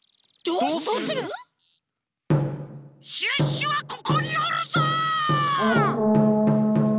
シュッシュはここにおるぞ！